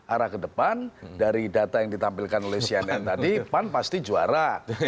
arah ke depan dari data yang ditampilkan oleh cnn tadi pan pasti juara